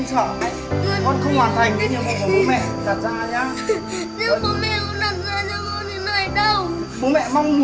con không sợ